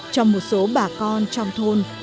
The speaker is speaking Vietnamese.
cho một số bà con trong thôn